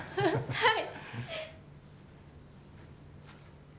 はい！